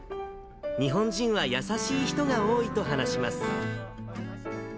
日本人は優しい人が多いと話します。